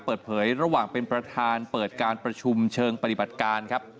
เปิดเผยระหว่างเป็นประธานเปิดการประชุมเชิงปฏิบัติการครับ